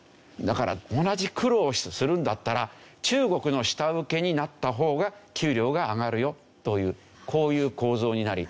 だから同じ苦労をするんだったら中国の下請けになった方が給料が上がるよというこういう構造になる。